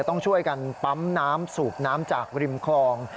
ต้องช่วยกันปั๊มน้ำสูบน้ำจากริมคลอง